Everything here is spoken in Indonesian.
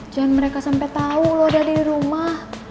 jangan mereka sampe tau lo udah ada di rumah